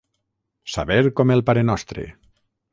Saber com el parenostre.